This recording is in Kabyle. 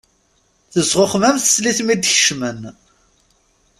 Tezxuxem am teslit mi d-kecmen.